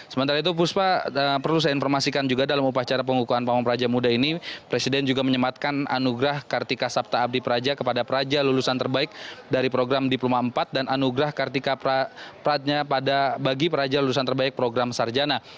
sementara itu puspa perlu saya informasikan juga dalam upacara pengukuhan pawang peraja muda ini presiden juga menyematkan anugerah kartika sabta abdi praja kepada peraja lulusan terbaik dari program diploma empat dan anugerah kartika praja bagi peraja lulusan terbaik program sarjana